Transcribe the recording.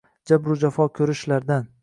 Jabru jafo ko’rishlardan